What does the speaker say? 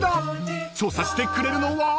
［調査してくれるのは］